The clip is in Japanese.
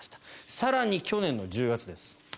更に、去年の１０月です。